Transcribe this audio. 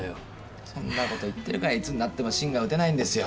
そんなこと言ってるからいつになっても真が打てないんですよ。